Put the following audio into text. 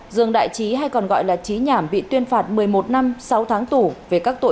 dương đại trí hay còn gọi là trí nhảm bị tuyên phạt một mươi một năm sáu tháng tù